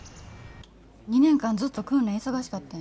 ２年間ずっと訓練忙しかったんやろ？